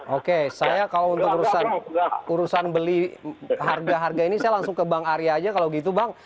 oke saya kalau untuk urusan beli harga harga ini saya langsung ke bang arya aja kalau gitu bang